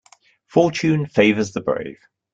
Fortune favours the brave.